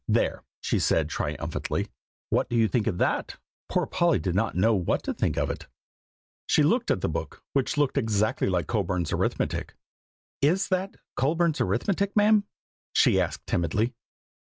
There!" she said, triumphantly, "what do you think of that?" Poor Polly did not know what to think of it. She looked at the book, which looked exactly like Colburn's Arithmetic. "Is that Colburn's Arithmetic, ma'am?" she asked timidly.